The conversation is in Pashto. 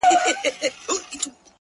د زړگي غوښي مي د شپې خوراك وي؛